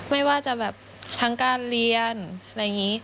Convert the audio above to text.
ไม่ว่าจะแบบทั้งการเรียนอะไรอย่างนี้